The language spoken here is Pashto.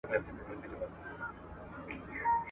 زه به اوږده موده د کتابتون د کار مرسته کړې وم،